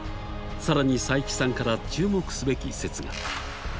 更に佐伯さんから注目すべき説が。